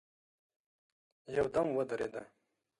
يودم ودرېده.